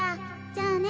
じゃあね。